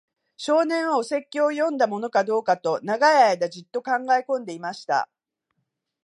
少年は、お説教を読んだものかどうかと、長い間じっと考えこんでいました。